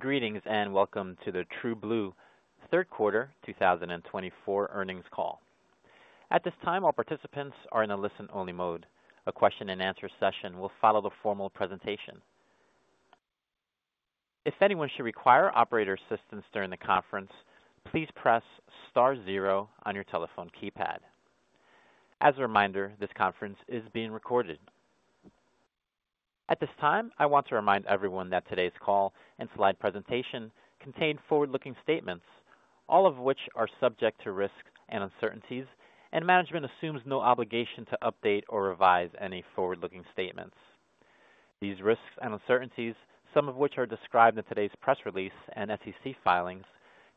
Greetings and welcome to the TrueBlue Q3 2024 Earnings Call. At this time, all participants are in a listen-only mode. A question-and-answer session will follow the formal presentation. If anyone should require operator assistance during the conference, please press star zero on your telephone keypad. As a reminder, this conference is being recorded. At this time, I want to remind everyone that today's call and slide presentation contain forward-looking statements, all of which are subject to risks and uncertainties, and management assumes no obligation to update or revise any forward-looking statements. These risks and uncertainties, some of which are described in today's press release and SEC filings,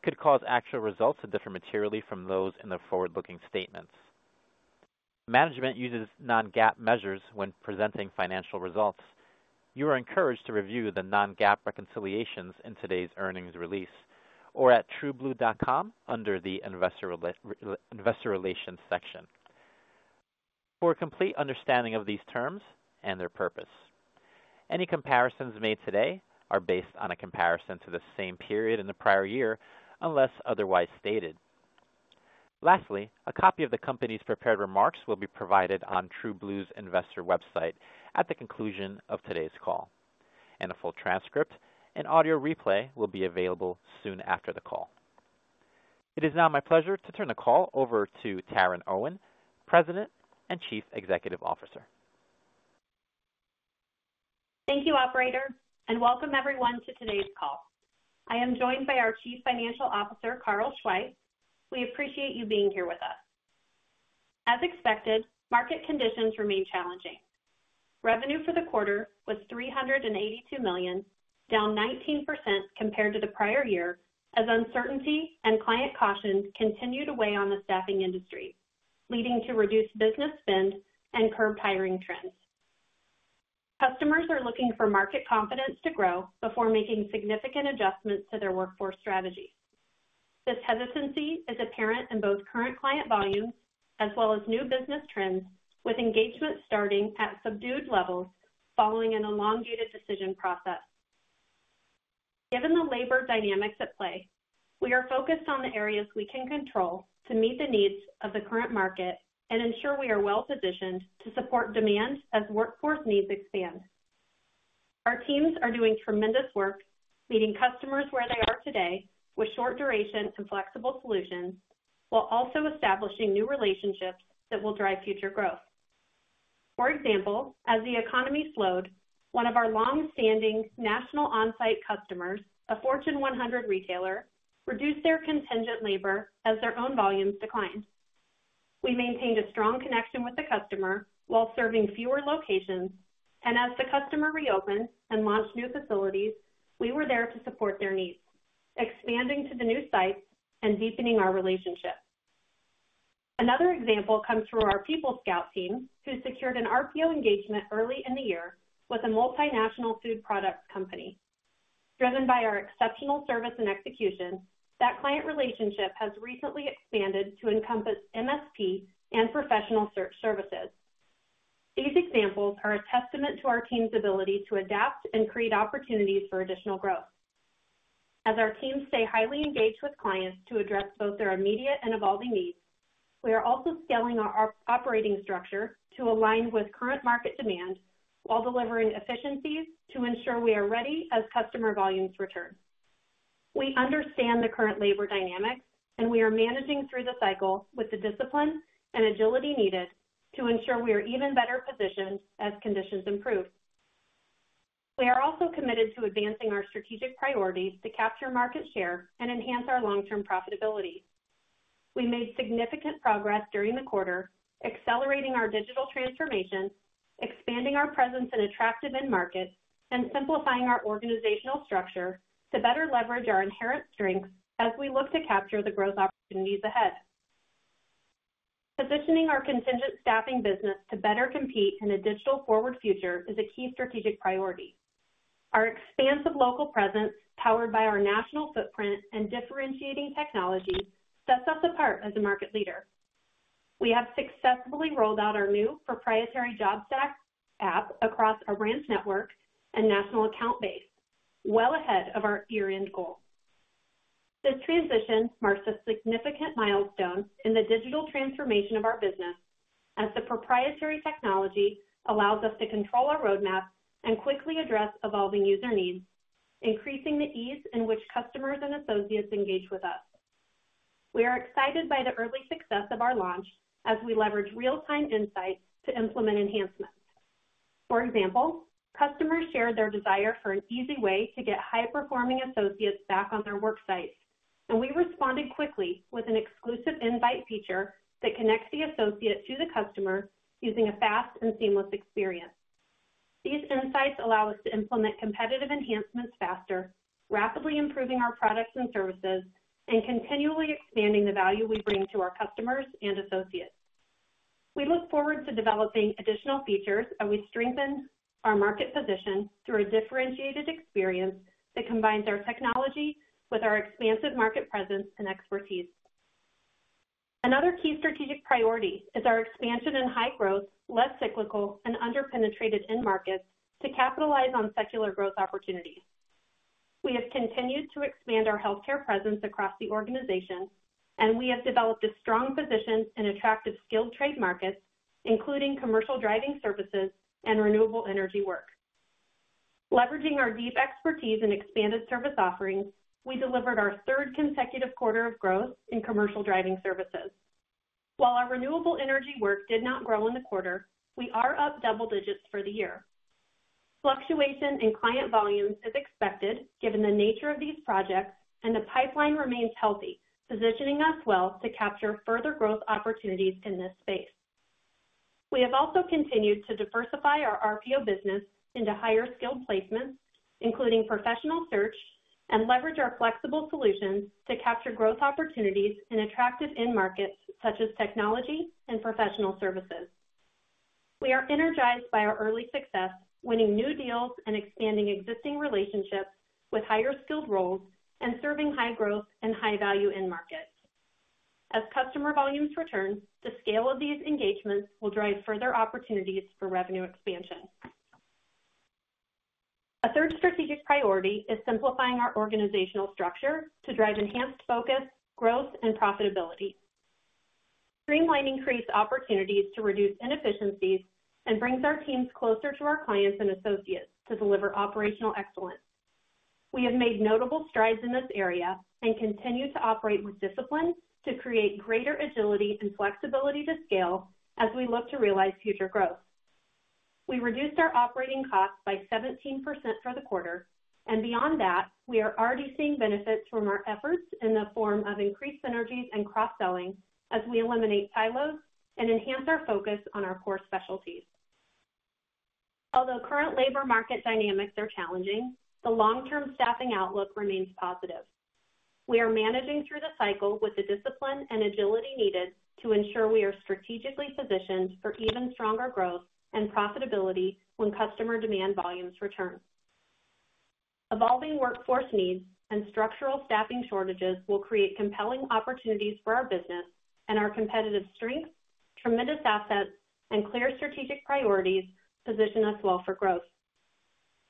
could cause actual results that differ materially from those in the forward-looking statements. Management uses non-GAAP measures when presenting financial results. You are encouraged to review the non-GAAP reconciliations in today's earnings release or at trueblue.com under the investor relations section. For a complete understanding of these terms and their purpose, any comparisons made today are based on a comparison to the same period in the prior year unless otherwise stated. Lastly, a copy of the company's prepared remarks will be provided on TrueBlue's investor website at the conclusion of today's call, and a full transcript and audio replay will be available soon after the call. It is now my pleasure to turn the call over to Taryn Owen, President and Chief Executive Officer. Thank you, Operator, and welcome everyone to today's call. I am joined by our Chief Financial Officer, Carl Schweihs. We appreciate you being here with us. As expected, market conditions remain challenging. Revenue for the quarter was $382 million, down 19% compared to the prior year as uncertainty and client caution continue to weigh on the staffing industry, leading to reduced business spend and curb hiring trends. Customers are looking for market confidence to grow before making significant adjustments to their workforce strategy. This hesitancy is apparent in both current client volumes as well as new business trends, with engagement starting at subdued levels following an elongated decision process. Given the labor dynamics at play, we are focused on the areas we can control to meet the needs of the current market and ensure we are well-positioned to support demand as workforce needs expand. Our teams are doing tremendous work, meeting customers where they are today with short-duration and flexible solutions while also establishing new relationships that will drive future growth. For example, as the economy slowed, one of our long-standing national onsite customers, a Fortune 100 retailer, reduced their contingent labor as their own volumes declined. We maintained a strong connection with the customer while serving fewer locations, and as the customer reopened and launched new facilities, we were there to support their needs, expanding to the new sites and deepening our relationship. Another example comes from our PeopleScout team, who secured an RPO engagement early in the year with a multinational food products company. Driven by our exceptional service and execution, that client relationship has recently expanded to encompass MSP and professional search services. These examples are a testament to our team's ability to adapt and create opportunities for additional growth. As our teams stay highly engaged with clients to address both their immediate and evolving needs, we are also scaling our operating structure to align with current market demand while delivering efficiencies to ensure we are ready as customer volumes return. We understand the current labor dynamics, and we are managing through the cycle with the discipline and agility needed to ensure we are even better positioned as conditions improve. We are also committed to advancing our strategic priorities to capture market share and enhance our long-term profitability. We made significant progress during the quarter, accelerating our digital transformation, expanding our presence in attractive end markets, and simplifying our organizational structure to better leverage our inherent strengths as we look to capture the growth opportunities ahead. Positioning our contingent staffing business to better compete in a digital forward future is a key strategic priority. Our expansive local presence, powered by our national footprint and differentiating technology, sets us apart as a market leader. We have successfully rolled out our new proprietary JobStack app across a branch network and national account base, well ahead of our year-end goal. This transition marks a significant milestone in the digital transformation of our business as the proprietary technology allows us to control our roadmap and quickly address evolving user needs, increasing the ease in which customers and associates engage with us. We are excited by the early success of our launch as we leverage real-time insights to implement enhancements. For example, customers shared their desire for an easy way to get high-performing associates back on their work sites, and we responded quickly with an exclusive invite feature that connects the associate to the customer using a fast and seamless experience. These insights allow us to implement competitive enhancements faster, rapidly improving our products and services and continually expanding the value we bring to our customers and associates. We look forward to developing additional features as we strengthen our market position through a differentiated experience that combines our technology with our expansive market presence and expertise. Another key strategic priority is our expansion in high-growth, less cyclical, and under-penetrated end markets to capitalize on secular growth opportunities. We have continued to expand our healthcare presence across the organization, and we have developed a strong position in attractive skilled trade markets, including commercial driving services and renewable energy work. Leveraging our deep expertise and expanded service offerings, we delivered our third consecutive quarter of growth in commercial driving services. While our renewable energy work did not grow in the quarter, we are up double digits for the year. Fluctuation in client volumes is expected given the nature of these projects, and the pipeline remains healthy, positioning us well to capture further growth opportunities in this space. We have also continued to diversify our RPO business into higher skilled placements, including professional search, and leverage our flexible solutions to capture growth opportunities in attractive end markets such as technology and professional services. We are energized by our early success, winning new deals and expanding existing relationships with higher skilled roles and serving high-growth and high-value end markets. As customer volumes return, the scale of these engagements will drive further opportunities for revenue expansion. A third strategic priority is simplifying our organizational structure to drive enhanced focus, growth, and profitability. Streamlining creates opportunities to reduce inefficiencies and brings our teams closer to our clients and associates to deliver operational excellence. We have made notable strides in this area and continue to operate with discipline to create greater agility and flexibility to scale as we look to realize future growth. We reduced our operating costs by 17% for the quarter, and beyond that, we are already seeing benefits from our efforts in the form of increased synergies and cross-selling as we eliminate silos and enhance our focus on our core specialties. Although current labor market dynamics are challenging, the long-term staffing outlook remains positive. We are managing through the cycle with the discipline and agility needed to ensure we are strategically positioned for even stronger growth and profitability when customer demand volumes return. Evolving workforce needs and structural staffing shortages will create compelling opportunities for our business, and our competitive strengths, tremendous assets, and clear strategic priorities position us well for growth.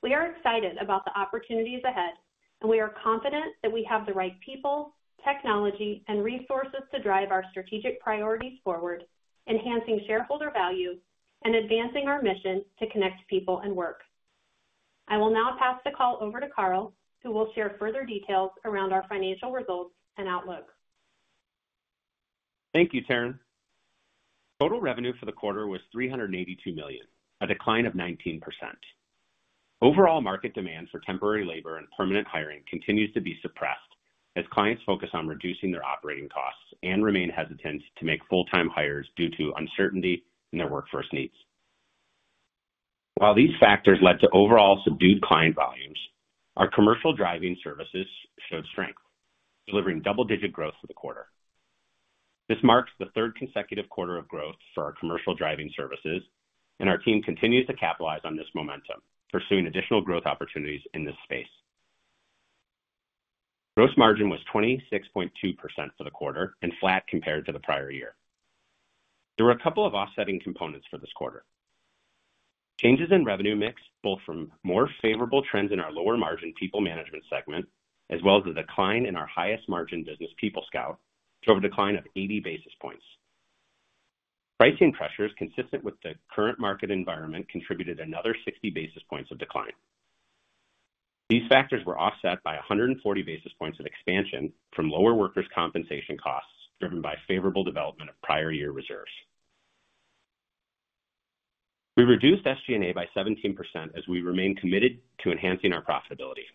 We are excited about the opportunities ahead, and we are confident that we have the right people, technology, and resources to drive our strategic priorities forward, enhancing shareholder value and advancing our mission to connect people and work. I will now pass the call over to Carl, who will share further details around our financial results and outlook. Thank you, Taryn. Total revenue for the quarter was $382 million, a decline of 19%. Overall market demand for temporary labor and permanent hiring continues to be suppressed as clients focus on reducing their operating costs and remain hesitant to make full-time hires due to uncertainty in their workforce needs. While these factors led to overall subdued client volumes, our commercial driving services showed strength, delivering double-digit growth for the quarter. This marks the third consecutive quarter of growth for our commercial driving services, and our team continues to capitalize on this momentum, pursuing additional growth opportunities in this space. Gross margin was 26.2% for the quarter and flat compared to the prior year. There were a couple of offsetting components for this quarter. Changes in revenue mix, both from more favorable trends in our lower-margin People Management segment as well as the decline in our highest-margin business, PeopleScout, drove a decline of 80 basis points. Pricing pressures consistent with the current market environment contributed another 60 basis points of decline. These factors were offset by 140 basis points of expansion from lower workers' compensation costs driven by favorable development of prior-year reserves. We reduced SG&A by 17% as we remain committed to enhancing our profitability.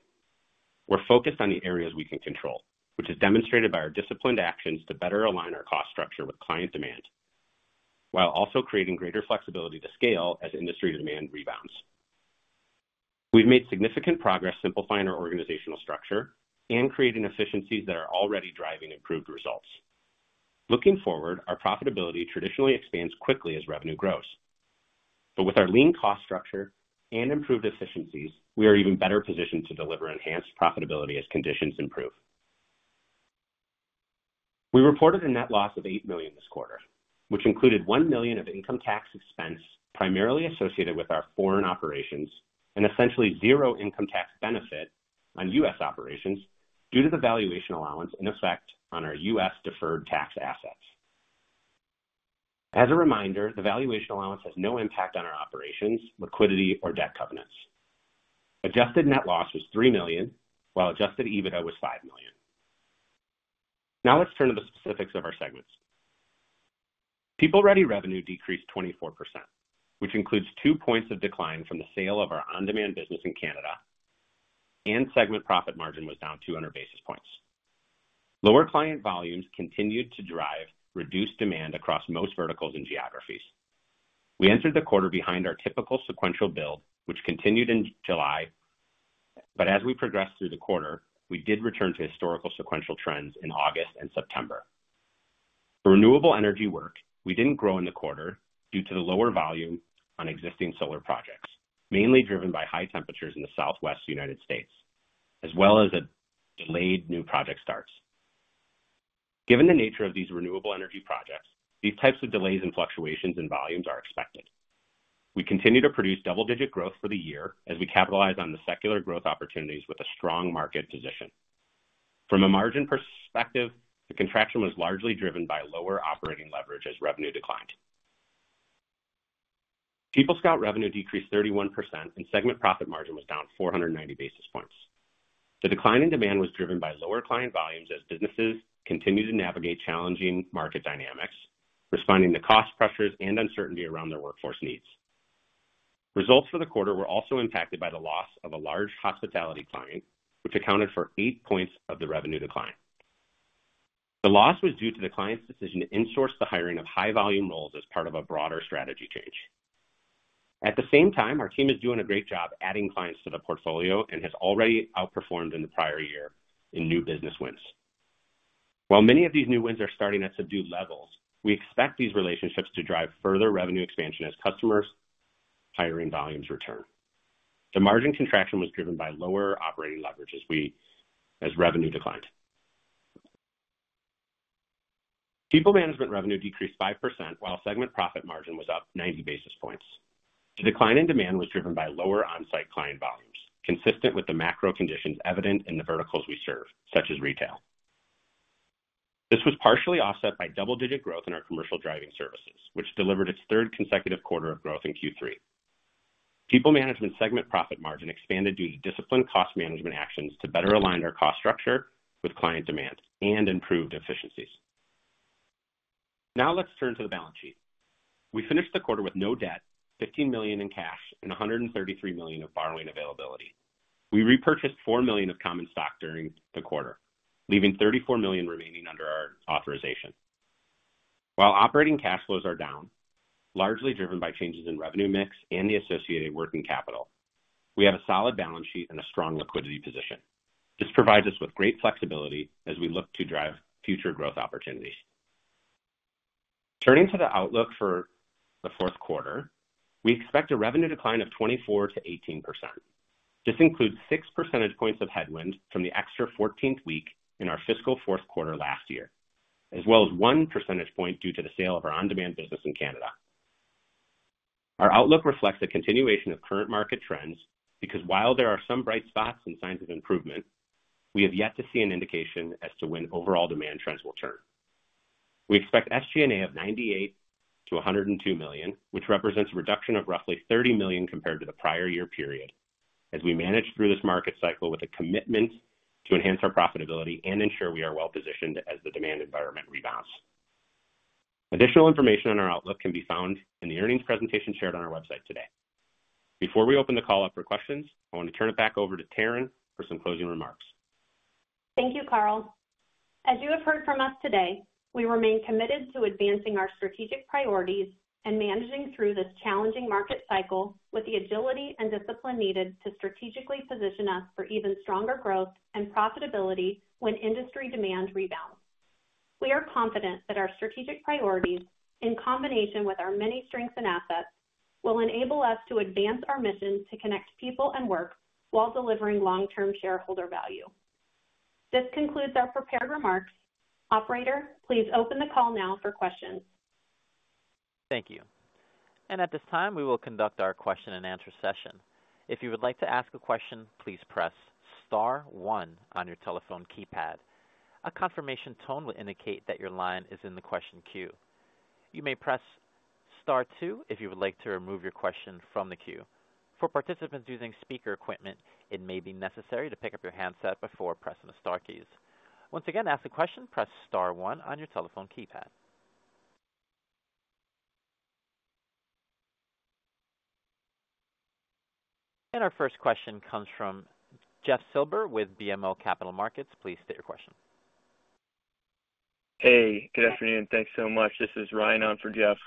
We're focused on the areas we can control, which is demonstrated by our disciplined actions to better align our cost structure with client demand while also creating greater flexibility to scale as industry demand rebounds. We've made significant progress simplifying our organizational structure and creating efficiencies that are already driving improved results. Looking forward, our profitability traditionally expands quickly as revenue grows. But with our lean cost structure and improved efficiencies, we are even better positioned to deliver enhanced profitability as conditions improve. We reported a net loss of $8 million this quarter, which included $1 million of income tax expense primarily associated with our foreign operations and essentially zero income tax benefit on U.S. operations due to the valuation allowance in effect on our U.S. deferred tax assets. As a reminder, the valuation allowance has no impact on our operations, liquidity, or debt covenants. Adjusted net loss was $3 million, while Adjusted EBITDA was $5 million. Now let's turn to the specifics of our segments. PeopleReady revenue decreased 24%, which includes two points of decline from the sale of our on-demand business in Canada, and segment profit margin was down 200 basis points. Lower client volumes continued to drive reduced demand across most verticals and geographies. We entered the quarter behind our typical sequential build, which continued in July, but as we progressed through the quarter, we did return to historical sequential trends in August and September. For renewable energy work, we didn't grow in the quarter due to the lower volume on existing solar projects, mainly driven by high temperatures in the Southwest United States, as well as delayed new project starts. Given the nature of these renewable energy projects, these types of delays and fluctuations in volumes are expected. We continue to produce double-digit growth for the year as we capitalize on the secular growth opportunities with a strong market position. From a margin perspective, the contraction was largely driven by lower operating leverage as revenue declined. PeopleScout revenue decreased 31%, and segment profit margin was down 490 basis points. The decline in demand was driven by lower client volumes as businesses continue to navigate challenging market dynamics, responding to cost pressures and uncertainty around their workforce needs. Results for the quarter were also impacted by the loss of a large hospitality client, which accounted for eight points of the revenue decline. The loss was due to the client's decision to insource the hiring of high-volume roles as part of a broader strategy change. At the same time, our team is doing a great job adding clients to the portfolio and has already outperformed in the prior year in new business wins. While many of these new wins are starting at subdued levels, we expect these relationships to drive further revenue expansion as customer hiring volumes return. The margin contraction was driven by lower operating leverage as revenue declined. People Management revenue decreased 5%, while segment profit margin was up 90 basis points. The decline in demand was driven by lower on-site client volumes, consistent with the macro conditions evident in the verticals we serve, such as retail. This was partially offset by double-digit growth in our commercial driving services, which delivered its third consecutive quarter of growth in Q3. People Management segment profit margin expanded due to disciplined cost management actions to better align our cost structure with client demand and improved efficiencies. Now let's turn to the balance sheet. We finished the quarter with no debt, $15 million in cash, and $133 million of borrowing availability. We repurchased $4 million of common stock during the quarter, leaving $34 million remaining under our authorization. While operating cash flows are down, largely driven by changes in revenue mix and the associated working capital, we have a solid balance sheet and a strong liquidity position. This provides us with great flexibility as we look to drive future growth opportunities. Turning to the outlook for the Q4, we expect a revenue decline of 24% to 18%. This includes six percentage points of headwind from the extra 14th week in our fiscal Q4 last year, as well as one percentage point due to the sale of our on-demand business in Canada. Our outlook reflects a continuation of current market trends because while there are some bright spots and signs of improvement, we have yet to see an indication as to when overall demand trends will turn. We expect SG&A of $98 to $102 million, which represents a reduction of roughly $30 million compared to the prior year period, as we manage through this market cycle with a commitment to enhance our profitability and ensure we are well-positioned as the demand environment rebounds. Additional information on our outlook can be found in the earnings presentation shared on our website today. Before we open the call up for questions, I want to turn it back over to Taryn for some closing remarks. Thank you, Carl. As you have heard from us today, we remain committed to advancing our strategic priorities and managing through this challenging market cycle with the agility and discipline needed to strategically position us for even stronger growth and profitability when industry demand rebounds. We are confident that our strategic priorities, in combination with our many strengths and assets, will enable us to advance our mission to connect people and work while delivering long-term shareholder value. This concludes our prepared remarks. Operator, please open the call now for questions. Thank you. At this time, we will conduct our question-and-answer session. If you would like to ask a question, please press Star one on your telephone keypad. A confirmation tone will indicate that your line is in the question queue. You may press Star two if you would like to remove your question from the queue. For participants using speaker equipment, it may be necessary to pick up your handset before pressing the Star keys. Once again, to ask a question, press Star one on your telephone keypad. Our first question comes from Jeff Silber with BMO Capital Markets. Please state your question. Hey, good afternoon. Thanks so much. This is Ryan on for Jeff.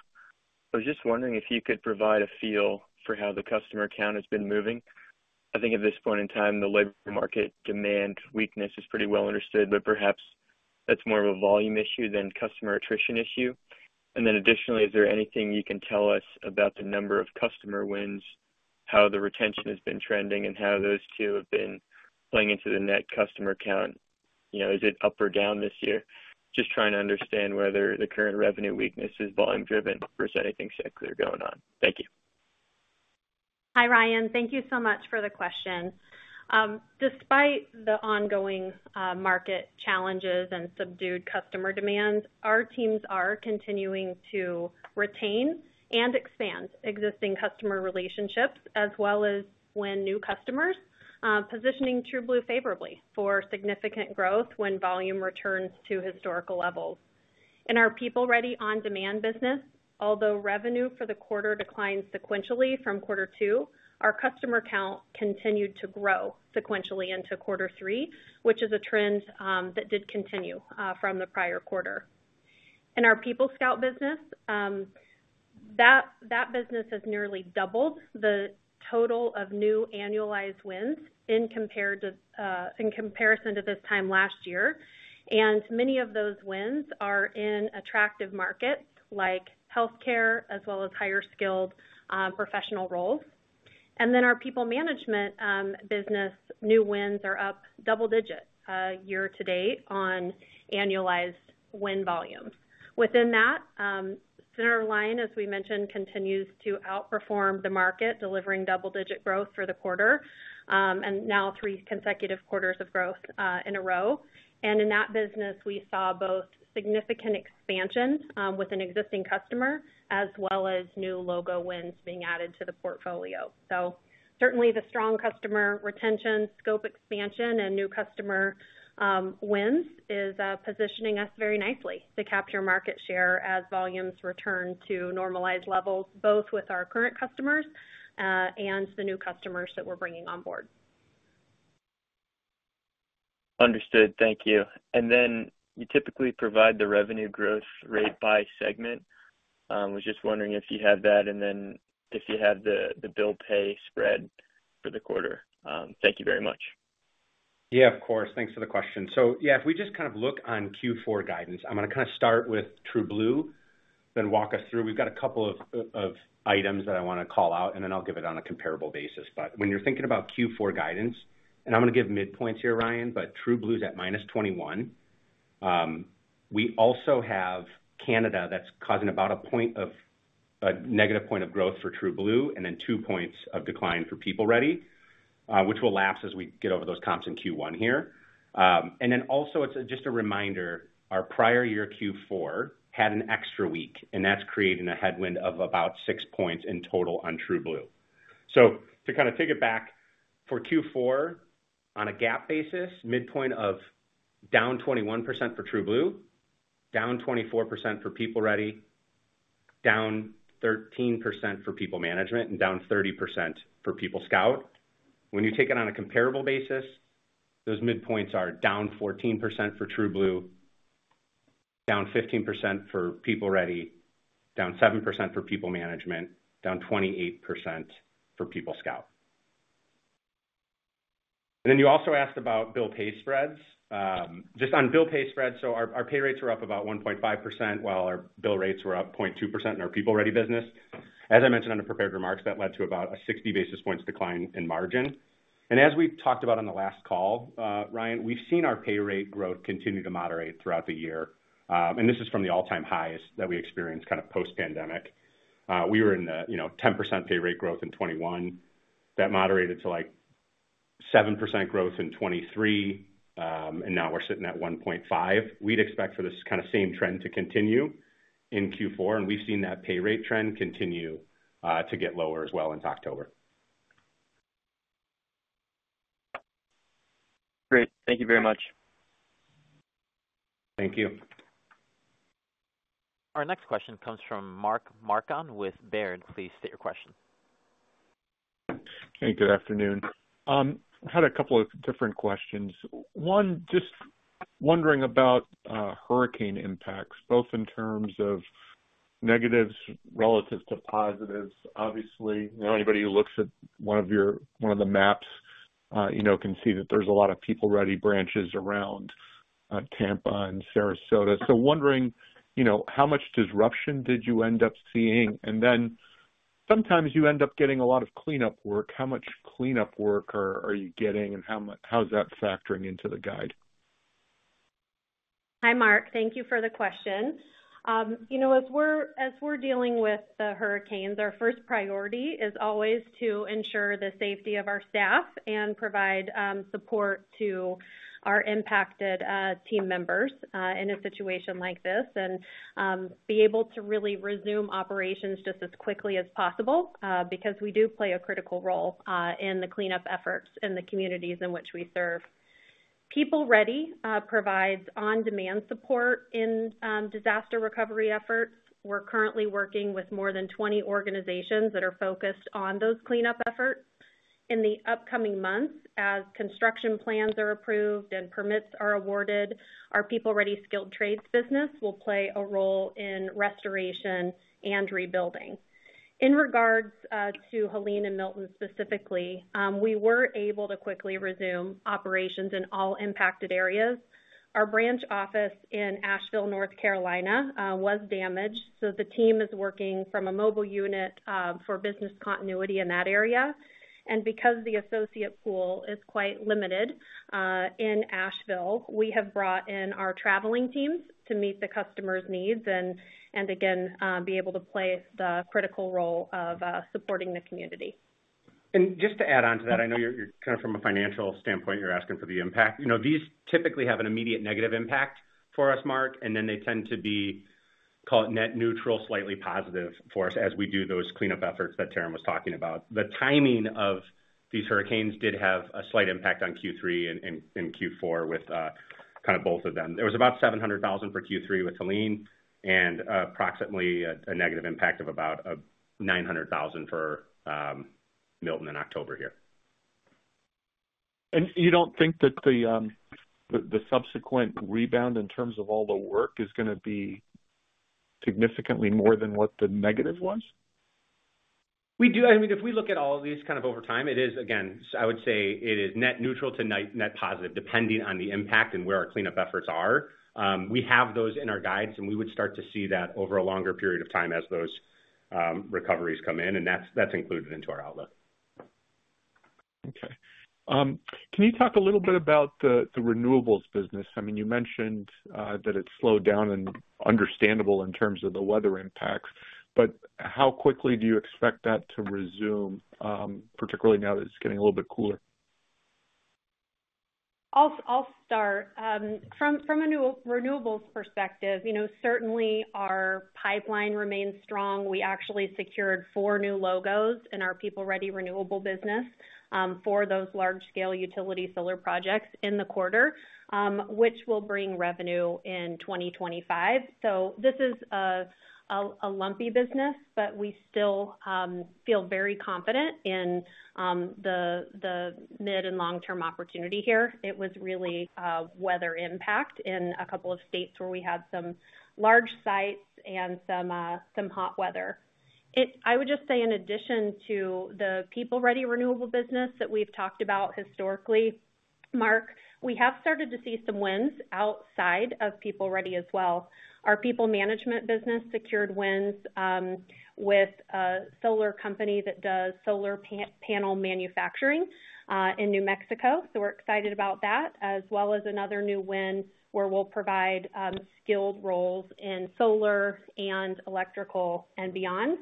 I was just wondering if you could provide a feel for how the customer count has been moving. I think at this point in time, the labor market demand weakness is pretty well understood, but perhaps that's more of a volume issue than customer attrition issue, and then additionally, is there anything you can tell us about the number of customer wins, how the retention has been trending, and how those two have been playing into the net customer count? Is it up or down this year? Just trying to understand whether the current revenue weakness is volume-driven versus anything secular going on. Thank you. Hi, Ryan. Thank you so much for the question. Despite the ongoing market challenges and subdued customer demand, our teams are continuing to retain and expand existing customer relationships, as well as win new customers, positioning TrueBlue favorably for significant growth when volume returns to historical levels. In our PeopleReady on-demand business, although revenue for the quarter declined sequentially from quarter two, our customer count continued to grow sequentially into quarter three, which is a trend that did continue from the prior quarter. In our PeopleScout business, that business has nearly doubled the total of new annualized wins in comparison to this time last year. And many of those wins are in attractive markets like healthcare as well as higher-skilled professional roles. And then our People Management business, new wins are up double-digit year to date on annualized win volumes. Within that, Centerline, as we mentioned, continues to outperform the market, delivering double-digit growth for the quarter, and now three consecutive quarters of growth in a row. And in that business, we saw both significant expansion with an existing customer as well as new logo wins being added to the portfolio. So certainly, the strong customer retention, scope expansion, and new customer wins is positioning us very nicely to capture market share as volumes return to normalized levels, both with our current customers and the new customers that we're bringing on board. Understood. Thank you. And then you typically provide the revenue growth rate by segment. I was just wondering if you have that and then if you have the bill pay spread for the quarter? Thank you very much. Yeah, of course. Thanks for the question. So yeah, if we just kind of look on Q4 guidance, I'm going to kind of start with TrueBlue, then walk us through. We've got a couple of items that I want to call out, and then I'll give it on a comparable basis. But when you're thinking about Q4 guidance, and I'm going to give mid-points here, Ryan, but TrueBlue's at minus 21%. We also have Canada that's causing about a negative point of growth for TrueBlue and then two points of decline for PeopleReady, which will lapse as we get over those comps in Q1 here. And then also, it's just a reminder, our prior-year Q4 had an extra week, and that's creating a headwind of about six points in total on TrueBlue. So to kind of take it back, for Q4, on a GAAP basis, midpoint of down 21% for TrueBlue, down 24% for PeopleReady, down 13% for People Management, and down 30% for PeopleScout. When you take it on a comparable basis, those midpoints are down 14% for TrueBlue, down 15% for PeopleReady, down 7% for People Management, down 28% for PeopleScout. And then you also asked about bill-pay spreads. Just on bill-pay spreads, so our pay rates were up about 1.5% while our bill rates were up 0.2% in our PeopleReady business. As I mentioned in prepared remarks, that led to about a 60 basis points decline in margin. And as we've talked about on the last call, Ryan, we've seen our pay rate growth continue to moderate throughout the year. And this is from the all-time highs that we experienced kind of post-pandemic. We were in the 10% pay rate growth in 2021. That moderated to like 7% growth in 2023, and now we're sitting at 1.5. We'd expect for this kind of same trend to continue in Q4, and we've seen that pay rate trend continue to get lower as well into October. Great. Thank you very much. Thank you. Our next question comes from Mark Marcon with Baird. Please state your question. Hey, good afternoon. I had a couple of different questions. One, just wondering about hurricane impacts, both in terms of negatives relative to positives. Obviously, anybody who looks at one of the maps can see that there's a lot of PeopleReady branches around Tampa and Sarasota. So wondering, how much disruption did you end up seeing? And then sometimes you end up getting a lot of cleanup work. How much cleanup work are you getting, and how's that factoring into the guide? Hi, Mark. Thank you for the question. As we're dealing with the hurricanes, our first priority is always to ensure the safety of our staff and provide support to our impacted team members in a situation like this and be able to really resume operations just as quickly as possible because we do play a critical role in the cleanup efforts in the communities in which we serve. PeopleReady provides on-demand support in disaster recovery efforts. We're currently working with more than 20 organizations that are focused on those cleanup efforts. In the upcoming months, as construction plans are approved and permits are awarded, our PeopleReady Skilled Trades business will play a role in restoration and rebuilding. In regards to Helene and Milton specifically, we were able to quickly resume operations in all impacted areas. Our branch office in Asheville, North Carolina, was damaged, so the team is working from a mobile unit for business continuity in that area, and because the associate pool is quite limited in Asheville, we have brought in our traveling teams to meet the customer's needs and, again, be able to play the critical role of supporting the community. And just to add on to that, I know you're kind of from a financial standpoint, you're asking for the impact. These typically have an immediate negative impact for us, Mark, and then they tend to be, call it net neutral, slightly positive for us as we do those cleanup efforts that Taryn was talking about. The timing of these hurricanes did have a slight impact on Q3 and Q4 with kind of both of them. It was about $700,000 for Q3 with Helene and approximately a negative impact of about $900,000 for Milton in October here. You don't think that the subsequent rebound in terms of all the work is going to be significantly more than what the negative was? We do. I mean, if we look at all of these kind of over time, it is, again, I would say it is net neutral to net positive, depending on the impact and where our cleanup efforts are. We have those in our guides, and we would start to see that over a longer period of time as those recoveries come in, and that's included into our outlook. Okay. Can you talk a little bit about the renewables business? I mean, you mentioned that it's slowed down and understandable in terms of the weather impacts, but how quickly do you expect that to resume, particularly now that it's getting a little bit cooler? I'll start. From a renewables perspective, certainly our pipeline remains strong. We actually secured four new logos in our PeopleReady Renewable business for those large-scale utility solar projects in the quarter, which will bring revenue in 2025. So this is a lumpy business, but we still feel very confident in the mid and long-term opportunity here. It was really weather impact in a couple of states where we had some large sites and some hot weather. I would just say, in addition to the PeopleReady Renewable business that we've talked about historically, Mark, we have started to see some wins outside of PeopleReady as well. Our People Management business secured wins with a solar company that does solar panel manufacturing in New Mexico. So we're excited about that, as well as another new win where we'll provide skilled roles in solar and electrical and beyond.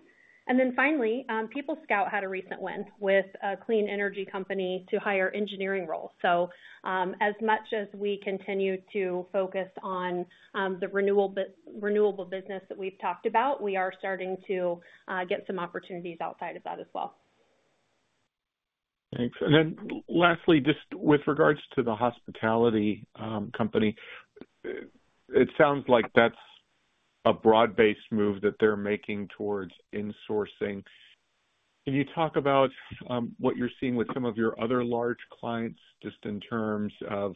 And then finally, PeopleScout had a recent win with a clean energy company to hire engineering roles. So as much as we continue to focus on the renewable business that we've talked about, we are starting to get some opportunities outside of that as well. Thanks. And then lastly, just with regards to the hospitality company, it sounds like that's a broad-based move that they're making towards insourcing. Can you talk about what you're seeing with some of your other large clients just in terms of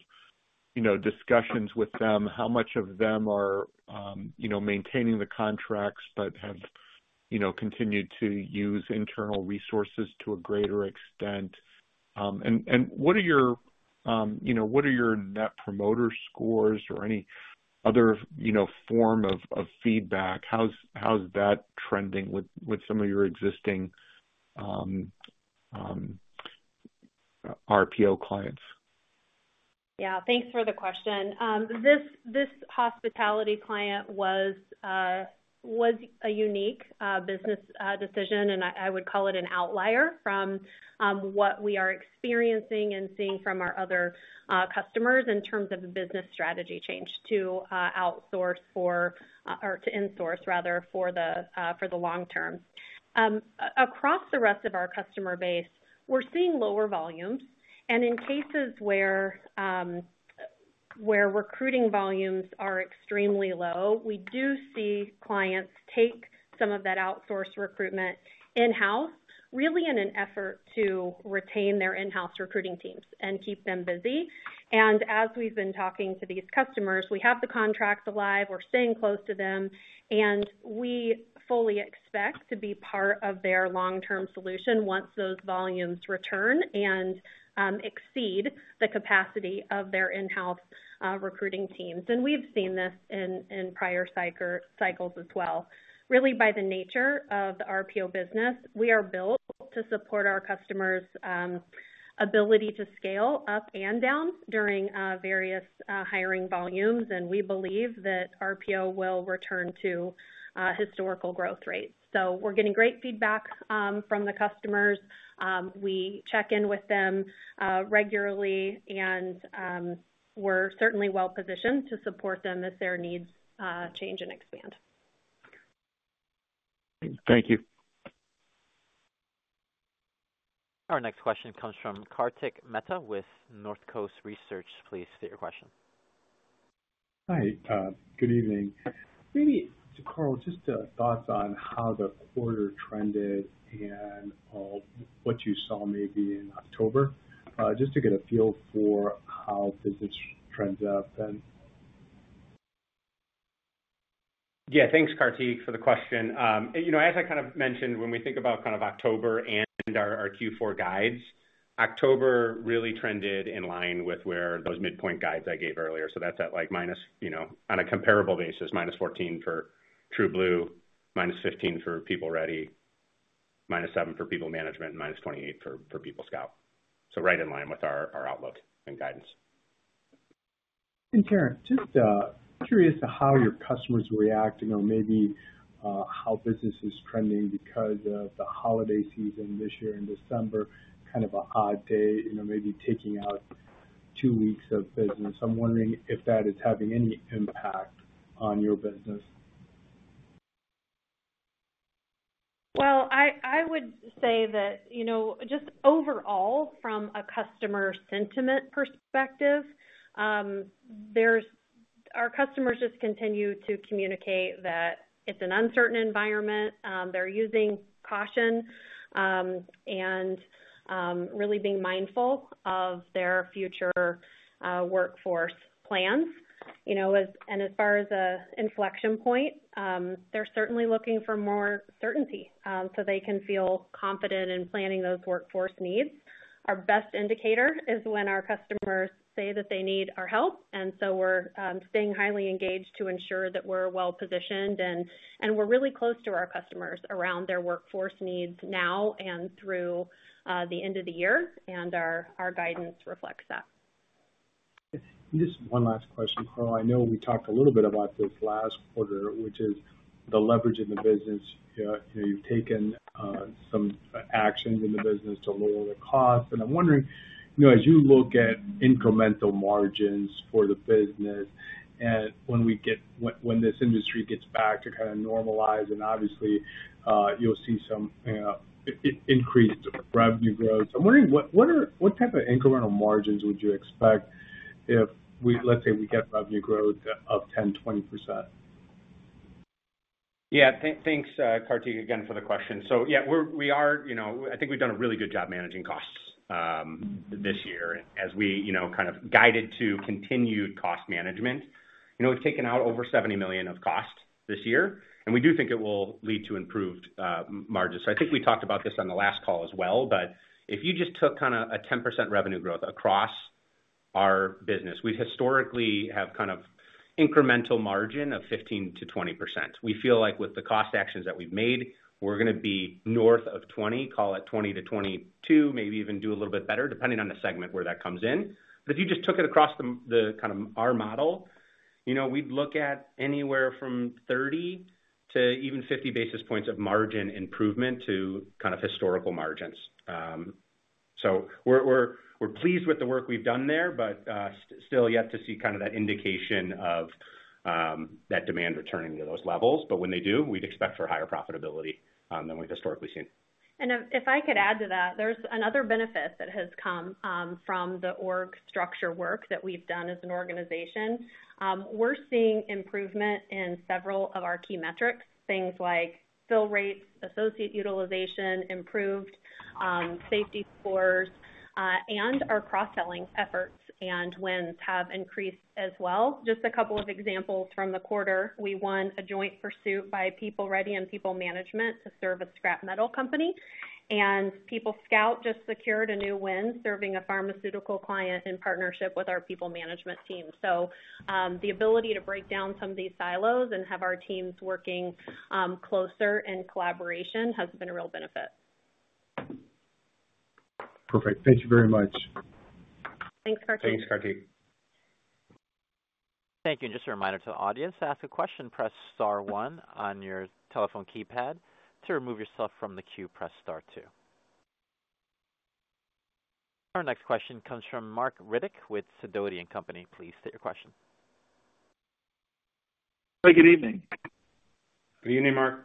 discussions with them? How much of them are maintaining the contracts but have continued to use internal resources to a greater extent? And what are your net promoter scores or any other form of feedback? How's that trending with some of your existing RPO clients? Yeah. Thanks for the question. This hospitality client was a unique business decision, and I would call it an outlier from what we are experiencing and seeing from our other customers in terms of a business strategy change to outsource or to insource, rather, for the long term. Across the rest of our customer base, we're seeing lower volumes. And in cases where recruiting volumes are extremely low, we do see clients take some of that outsource recruitment in-house, really in an effort to retain their in-house recruiting teams and keep them busy. And as we've been talking to these customers, we have the contracts alive. We're staying close to them, and we fully expect to be part of their long-term solution once those volumes return and exceed the capacity of their in-house recruiting teams. And we've seen this in prior cycles as well. Really, by the nature of the RPO business, we are built to support our customers' ability to scale up and down during various hiring volumes, and we believe that RPO will return to historical growth rates. We're getting great feedback from the customers. We check in with them regularly, and we're certainly well-positioned to support them as their needs change and expand. Thank you. Our next question comes from Karthik Mehta with North Coast Research. Please state your question. Hi. Good evening. Maybe, Carl, just thoughts on how the quarter trended and what you saw maybe in October, just to get a feel for how business trends have been? Yeah. Thanks, Karthik, for the question. As I kind of mentioned, when we think about kind of October and our Q4 guides, October really trended in line with those mid-point guides I gave earlier. So that's at minus on a comparable basis, minus 14 for TrueBlue, minus 15 for PeopleReady, minus 7 for People Management, and minus 28 for PeopleScout. So right in line with our outlook and guidance. Taryn, just curious how your customers react, maybe how business is trending because of the holiday season this year in December, kind of an odd day, maybe taking out two weeks of business. I'm wondering if that is having any impact on your business. I would say that just overall, from a customer sentiment perspective, our customers just continue to communicate that it's an uncertain environment. They're using caution and really being mindful of their future workforce plans. As far as an inflection point, they're certainly looking for more certainty so they can feel confident in planning those workforce needs. Our best indicator is when our customers say that they need our help. We're staying highly engaged to ensure that we're well-positioned, and we're really close to our customers around their workforce needs now and through the end of the year, and our guidance reflects that. Just one last question, Carl. I know we talked a little bit about this last quarter, which is the leverage in the business. You've taken some actions in the business to lower the costs. And I'm wondering, as you look at incremental margins for the business, when this industry gets back to kind of normalize, and obviously, you'll see some increased revenue growth, I'm wondering, what type of incremental margins would you expect if, let's say, we get revenue growth of 10%-20%? Yeah. Thanks, Karthik, again, for the question. So yeah, I think we've done a really good job managing costs this year as we kind of guided to continued cost management. We've taken out over $70 million of cost this year, and we do think it will lead to improved margins. So I think we talked about this on the last call as well, but if you just took kind of a 10% revenue growth across our business, we historically have kind of incremental margin of 15%-20%. We feel like with the cost actions that we've made, we're going to be north of 20%, call it 20%-22%, maybe even do a little bit better, depending on the segment where that comes in. But if you just took it across our model, we'd look at anywhere from 30 to even 50 basis points of margin improvement to kind of historical margins. So we're pleased with the work we've done there, but still yet to see kind of that indication of that demand returning to those levels. But when they do, we'd expect for higher profitability than we've historically seen. And if I could add to that, there's another benefit that has come from the org structure work that we've done as an organization. We're seeing improvement in several of our key metrics, things like fill rates, associate utilization, improved safety scores, and our cross-selling efforts and wins have increased as well. Just a couple of examples from the quarter. We won a joint pursuit by PeopleReady and People Management to serve a scrap metal company. And PeopleScout just secured a new win serving a pharmaceutical client in partnership with our People Management team. So the ability to break down some of these silos and have our teams working closer in collaboration has been a real benefit. Perfect. Thank you very much. Thanks, Karthik. Thanks, Karthik. Thank you. And just a reminder to the audience, to ask a question, press Star one on your telephone keypad. To remove yourself from the queue, press Star two. Our next question comes from Marc Riddick with Sidoti & Company. Please state your question. Hi. Good evening. Good evening, Marc.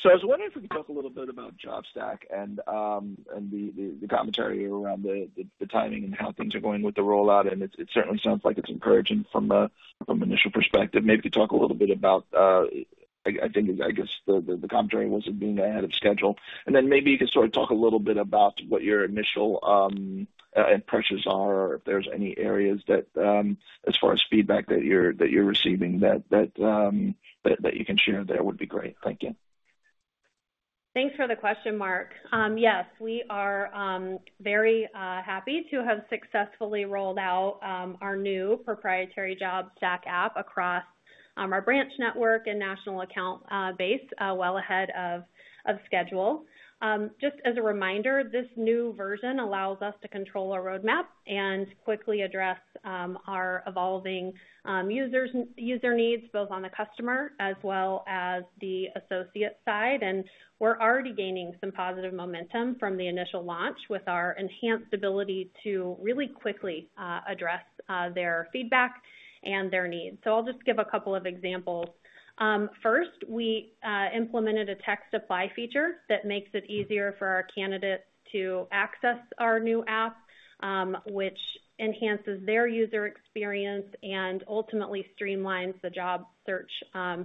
So I was wondering if we could talk a little bit about JobStack and the commentary around the timing and how things are going with the rollout. And it certainly sounds like it's encouraging from an initial perspective. Maybe you could talk a little bit about, I guess, the commentary wasn't being ahead of schedule. And then maybe you could sort of talk a little bit about what your initial impressions are or if there's any areas that, as far as feedback that you're receiving, that you can share, that would be great. Thank you. Thanks for the question, Marc. Yes, we are very happy to have successfully rolled out our new proprietary JobStack app across our branch network and national account base well ahead of schedule. Just as a reminder, this new version allows us to control our roadmap and quickly address our evolving user needs, both on the customer as well as the associate side. And we're already gaining some positive momentum from the initial launch with our enhanced ability to really quickly address their feedback and their needs. So I'll just give a couple of examples. First, we implemented a text-to-apply feature that makes it easier for our candidates to access our new app, which enhances their user experience and ultimately streamlines the job search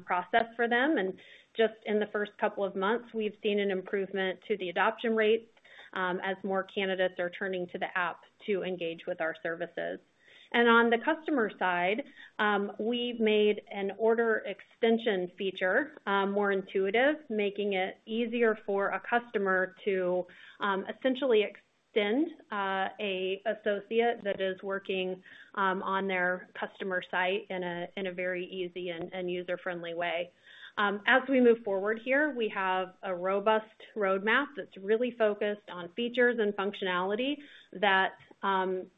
process for them. And just in the first couple of months, we've seen an improvement to the adoption rates as more candidates are turning to the app to engage with our services. And on the customer side, we made an order extension feature more intuitive, making it easier for a customer to essentially extend an associate that is working on their customer site in a very easy and user-friendly way. As we move forward here, we have a robust roadmap that's really focused on features and functionality that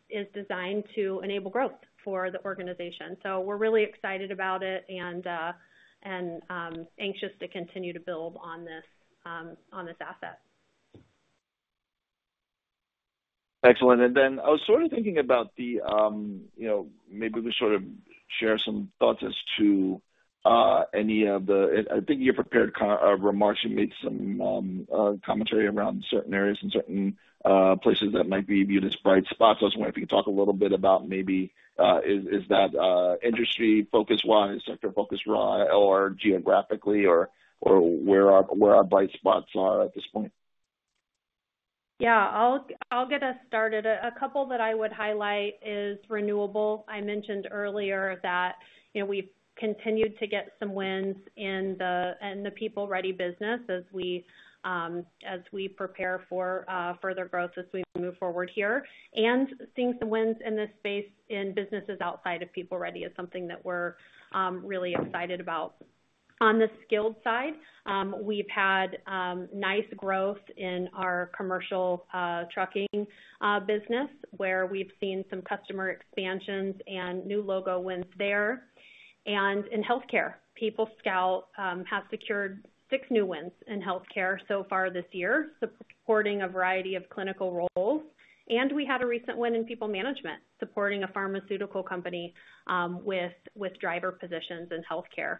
is designed to enable growth for the organization. So we're really excited about it and anxious to continue to build on this asset. Excellent. And then I was sort of thinking about the maybe we sort of share some thoughts as to any of the I think you prepared remarks. You made some commentary around certain areas and certain places that might be viewed as bright spots. I was wondering if you could talk a little bit about maybe is that industry focus-wise, sector focus-wise, or geographically, or where our bright spots are at this point. Yeah. I'll get us started. A couple that I would highlight is renewable. I mentioned earlier that we've continued to get some wins in the PeopleReady business as we prepare for further growth as we move forward here, and seeing some wins in this space in businesses outside of PeopleReady is something that we're really excited about. On the skilled side, we've had nice growth in our commercial trucking business where we've seen some customer expansions and new logo wins there, and in healthcare, PeopleScout has secured six new wins in healthcare so far this year, supporting a variety of clinical roles, and we had a recent win in People Management, supporting a pharmaceutical company with driver positions in healthcare, and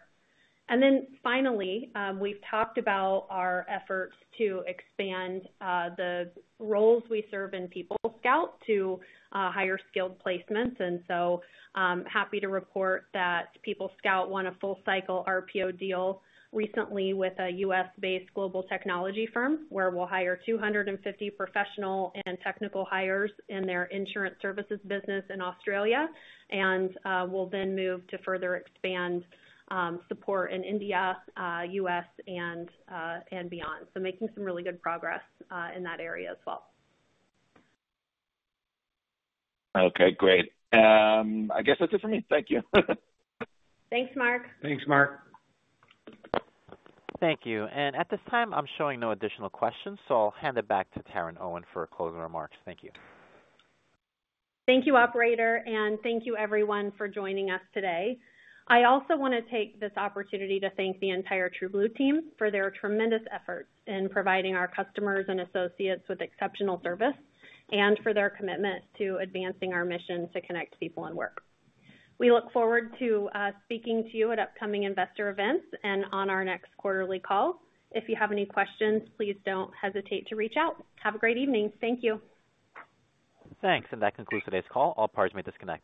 then finally, we've talked about our efforts to expand the roles we serve in PeopleScout to higher skilled placements. And so happy to report that PeopleScout won a full-cycle RPO deal recently with a U.S.-based global technology firm where we'll hire 250 professional and technical hires in their insurance services business in Australia. And we'll then move to further expand support in India, U.S., and beyond. So making some really good progress in that area as well. Okay. Great. I guess that's it for me. Thank you. Thanks, Marc. Thanks, Marc. Thank you. And at this time, I'm showing no additional questions, so I'll hand it back to Taryn Owen for closing remarks. Thank you. Thank you, operator, and thank you, everyone, for joining us today. I also want to take this opportunity to thank the entire TrueBlue team for their tremendous efforts in providing our customers and associates with exceptional service and for their commitment to advancing our mission to connect people and work. We look forward to speaking to you at upcoming investor events and on our next quarterly call. If you have any questions, please don't hesitate to reach out. Have a great evening. Thank you. Thanks. That concludes today's call. All parties may disconnect.